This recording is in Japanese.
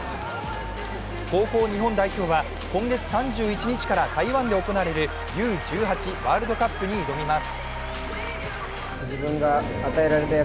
高校日本代表は今月３１日から台湾で行われるＵ−１８ワールドカップに挑みます。